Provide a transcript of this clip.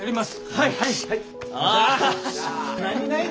はい！